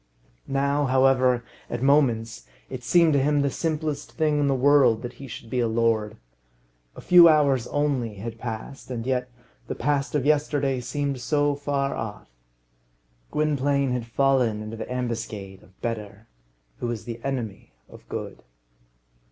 Now, however, at moments, it seemed to him the simplest thing in the world that he should be a lord. A few hours only had passed, and yet the past of yesterday seemed so far off! Gwynplaine had fallen into the ambuscade of Better, who is the enemy of Good.